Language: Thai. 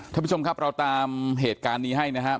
ท่านผู้ชมครับเราตามเหตุการณ์นี้ให้นะครับ